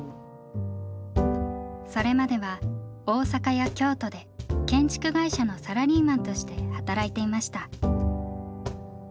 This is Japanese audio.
それまでは大阪や京都で建築会社のサラリーマンとして働いていました。